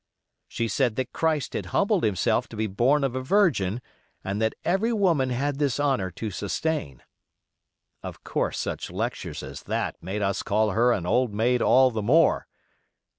She said that Christ had humbled himself to be born of a Virgin, and that every woman had this honor to sustain. Of course such lectures as that made us call her an old maid all the more.